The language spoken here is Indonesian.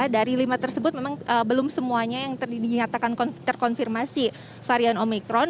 dari lima tersebut memang belum semuanya yang dinyatakan terkonfirmasi varian omikron